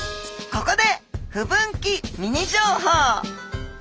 ここで不分岐ミニ情報。